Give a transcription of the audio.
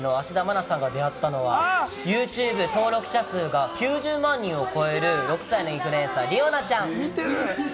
チャリティーパーソナリティーの芦田愛菜さんが出会ったのは、ユーチューブ登録者数が９０万人を超える、６歳のインフルエンサー・理央奈ちゃん。